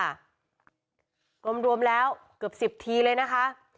รวมแล้วเกือบ๑๐ทีเลยนะคะ